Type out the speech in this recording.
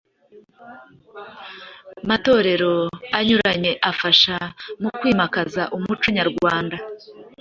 matorero anyuranye afasha mu kwimakaza umuco nyarwanda